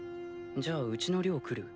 じゃあうちの寮来る？